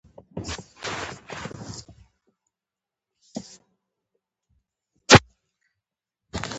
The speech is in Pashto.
رسۍ د لرغوني وخت نښه ده.